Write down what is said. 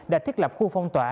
đã thiết lập khu phong tỏa